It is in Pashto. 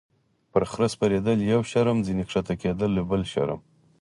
- پر خره سپرېدل یو شرم، ځینې کښته کېدل یې بل شرم.